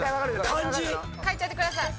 漢字⁉書いちゃってください。